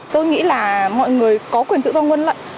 tôi nghĩ là mọi người có quyền tự do ngân lận